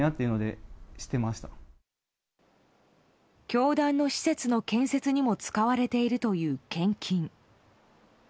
教団の施設の建設にも使われているという献金。